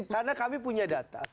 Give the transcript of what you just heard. karena kami punya data